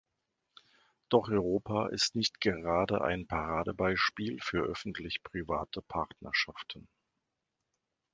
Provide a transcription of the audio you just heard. Doch Europa ist nicht gerade ein Paradebeispiel für öffentlich-private Partnerschaften.